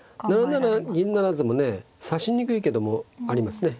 ７七銀不成もね指しにくいけどもありますね。